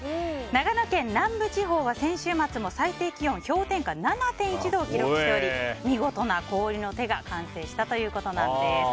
長野県南部地方は先週末も最低気温氷点下７．１度を記録しており見事な氷の手が完成したということなんです。